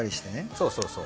そうそうそう。